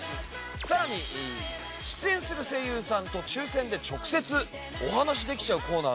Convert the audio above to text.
さらに出演する声優さんと抽選で直接お話しできちゃうコーナーがあるそうで。